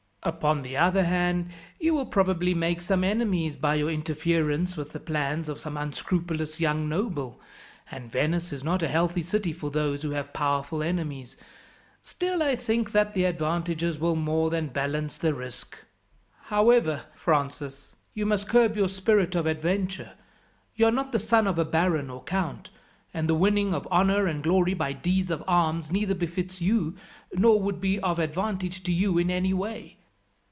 "Upon the other hand, you will probably make some enemies by your interference with the plans of some unscrupulous young noble, and Venice is not a healthy city for those who have powerful enemies; still I think that the advantages will more than balance the risk. "However, Francis, you must curb your spirit of adventure. You are not the son of a baron or count, and the winning of honour and glory by deeds of arms neither befits you, nor would be of advantage to you in any way.